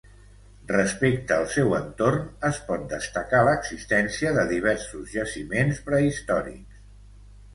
Respecte al seu entorn, es pot destacar l'existència de diversos jaciments prehistòrics.